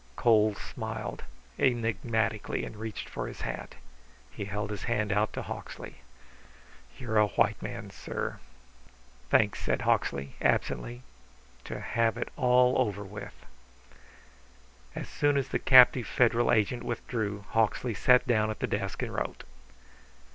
Coles smiled enigmatically and reached for his hat. He held his hand out to Hawksley. "You're a white man, sir." "Thanks," said Hawksley, absently. To have it all over with! As soon as the captive Federal agent withdrew Hawksley sat down at the desk and wrote.